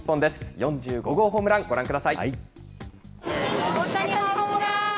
４５号ホームラン、ご覧ください。